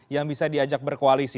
yang bisa diajak berkoalisi